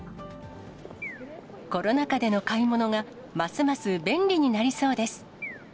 コロナ禍での買い物がますます便利になりそうです。